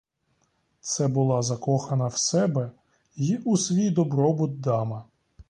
Це була закохана в себе й у свій добробут дама.